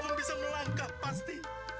om bisa melangkah pasti